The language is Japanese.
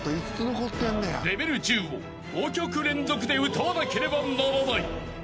［レベル１０を５曲連続で歌わなければならない］